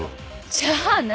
じゃあ何？